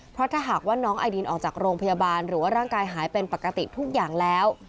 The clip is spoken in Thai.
เพราะถ้าหากว่าน้องไอดินออกจากโรงพยาบาลหรือว่าร่างกายหายเป็นปกติทุกอย่างแล้ว